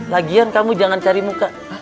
lagian kamu jangan cari muka